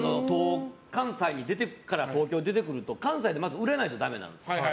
関西から東京に出てくると関西でまず売れないとだめなんです。